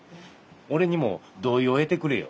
俺にも同意を得てくれよ。